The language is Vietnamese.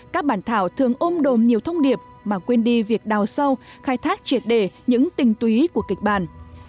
các bản thảo thường ôm đồm nhiều thông điệp mà quên đi việc đào sâu khai thác triệt đề những tình túy của kịch bản